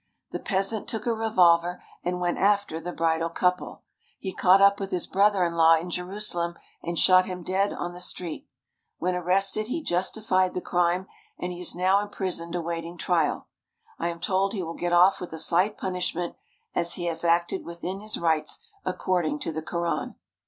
The peasant took a revolver and went after the bridal couple. He caught up with his brother in law in Jerusalem and shot him dead on the street. When arrested he justified the crime and he is now imprisoned awaiting trial. I am told he will get off with a slight punishment, as he has acted within his rights according to the Koran.